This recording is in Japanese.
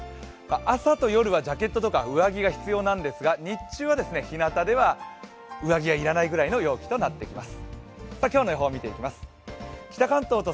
朝と夜はジャケットとか上着が必要なんですが、日中はひなたでは上着は要らないくらいの陽気となってきます。